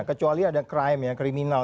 kecuali ada crime ya kriminal